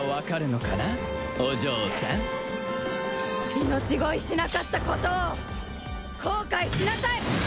命乞いしなかったことを後悔しなさい！